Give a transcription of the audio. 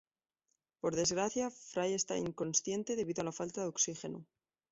Por desgracia, Fry esta inconsciente debido a la falta de oxígeno.